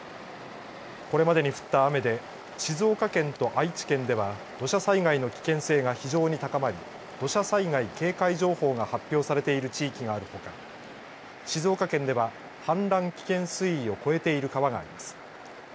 これまでに降った雨で静岡県と愛知県では土砂災害の危険性が非常に高まり土砂災害警戒情報が発表されている地域があるほか静岡県では氾濫危険水位を超えている川があります。